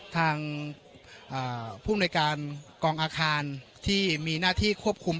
ทางผู้อำนวยการกองอาคารที่มีหน้าที่ควบคุม